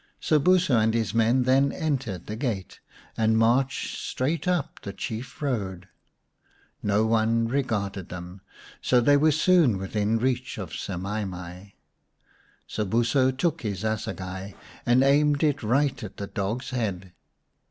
Sobuso and 'his men then entered the gate and marched straight up the chief road. No one regarded them, so they were soon within reach of Semai mai. Sobuso took his assegai and aimed it right at the dog's head.